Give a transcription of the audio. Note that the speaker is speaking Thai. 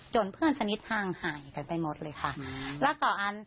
จนเพื่อนสนิทพังหายกันไปหมดเลยค่ะ